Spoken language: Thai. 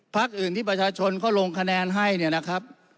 พักอื่นที่ประชาชนเขาลงคะแนนให้เนี่ยนะครับ